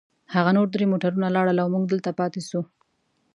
هغه نور درې موټرونه ولاړل، او موږ دلته پاتې شوو.